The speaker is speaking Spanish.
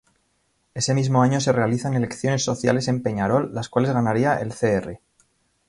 Ese mismo año se realizan elecciones sociales en Peñarol, las cuales ganaría el Cr.